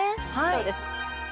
そうです。